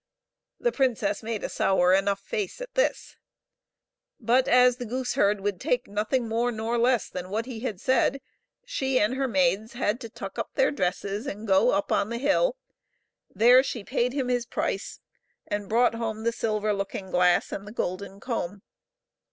The princess made a sour enough face at this, but, as the gooseherd would take nothing more nor less than what he had said, she and her maids had to tuck up their dresses and go up on the hill ; there she paid him his price, and brought home the silver looking glass and the golden comb.